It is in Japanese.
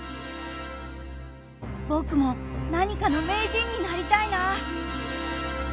僕も何かの名人になりたいな！